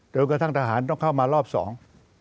กระทั่งทหารต้องเข้ามารอบสอง